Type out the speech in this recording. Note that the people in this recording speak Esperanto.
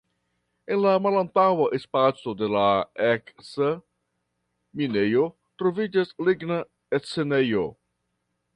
En la malantaŭa spaco de la eksa minejo troviĝas ligna scenejo.